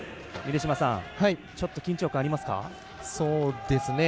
ちょっと緊張感ありますか？